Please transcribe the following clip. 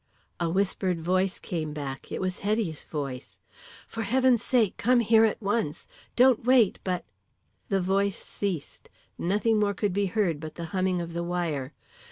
A whispered voice came back; it was Hetty's voice: "For heaven's sake come here at once. Don't wait, but " The voice ceased; nothing more could be heard but the humming of the wire.